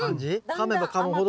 かめばかむほど。